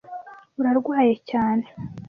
Urarwaye cyane?